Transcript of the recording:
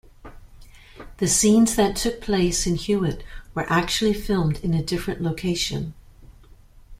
The scenes that took place in Hewitt were actually filmed in a different location.